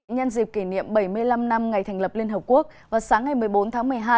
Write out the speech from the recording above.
nhân dịp kỷ niệm bảy mươi năm năm ngày thành lập liên hợp quốc vào sáng ngày một mươi bốn tháng một mươi hai